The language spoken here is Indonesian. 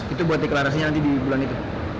itu buat deklarasinya nanti di bulan itu